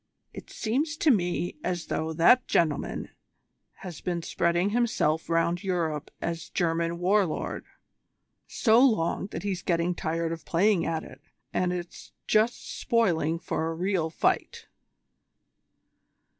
"It seems to me as though that gentleman had been spreading himself round Europe as German War Lord so long that he's getting tired of playing at it, and 's just spoiling for a real fight."